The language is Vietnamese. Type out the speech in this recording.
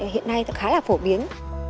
hiện nay khá là phổ biến